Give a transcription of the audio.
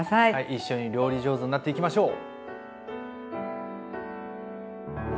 一緒に料理上手になっていきましょう！